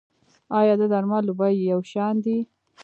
آیا د درملو بیې یو شان دي؟